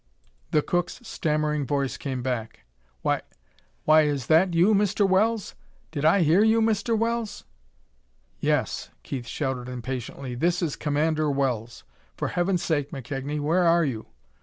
The cook's stammering voice came back: "Why why is that you, Mr. Wells? Did I hear you, Mr. Wells?" "Yes!" Keith shouted impatiently. "This is Commander Wells! For heaven's sake, McKegnie, where are you?"